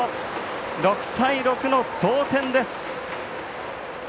６対６の同点です。